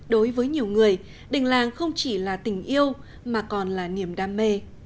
đối với nhiều người đình làng không chỉ là tình yêu mà còn là niềm đam mê